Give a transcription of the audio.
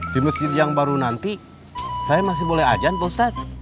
di masjid yang baru nanti saya masih boleh ajan pak ustadz